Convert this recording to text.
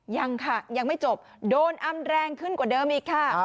ยังค่ะยังไม่จบโดนอำแรงขึ้นกว่าเดิมอีกค่ะ